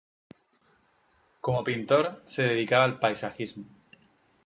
Como pintor, se dedicaba al paisajismo.